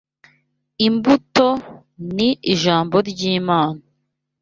Imbuto ni Ijambo ry’Imana